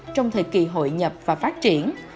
trong thời kỳ hội nhập và phát triển